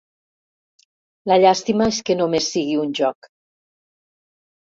La llàstima és que només sigui un joc.